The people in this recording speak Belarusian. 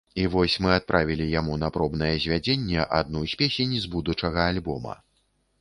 І вось мы адправілі яму на пробнае звядзенне адну з песень з будучага альбома.